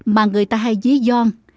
mà người ta hay dí giòn